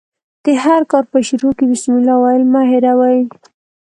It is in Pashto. د هر کار په شروع کښي بسم الله ویل مه هېروئ!